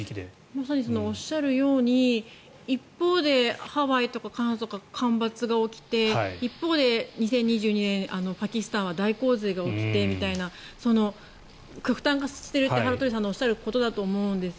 まさにおっしゃるように一方でハワイとかカナダとか干ばつが起きて一方で２０２２年、パキスタンは大洪水が起きてみたいな極端化していると羽鳥さんのおっしゃるとおりだと思うんです。